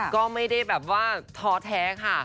ก็ไม่ได้แบบว่าท้อแท้ค่ะ